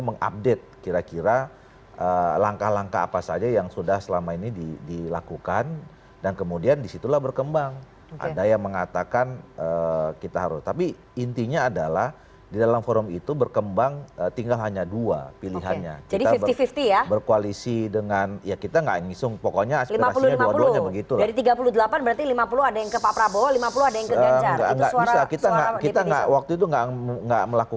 mayoritas condong berarti setengah setengah ya saya bisa bilang setengah setengah